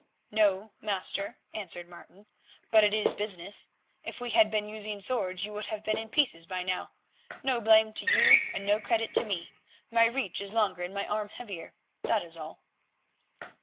"No, master," answered Martin, "but it is business. If we had been using swords you would have been in pieces by now. No blame to you and no credit to me; my reach is longer and my arm heavier, that is all."